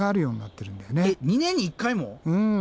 うん。